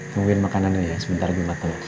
nungguin makanannya ya sebentar lagi mateng